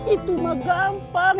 itu mah gampang